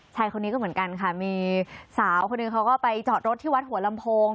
ชายคนนี้ก็เหมือนกันค่ะมีสาวคนหนึ่งเขาก็ไปจอดรถที่วัดหัวลำโพง